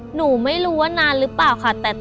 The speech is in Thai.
หนูไม่รู้ว่านานหรือเปล่าค่ะ